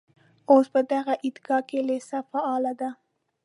اوس په دغه عیدګاه کې لېسه فعاله ده.